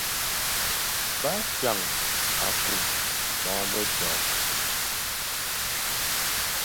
Bâ fwan akung bongo be toʼo.